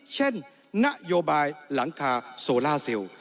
เช่นนโยบายหลังคาโซล่าซิล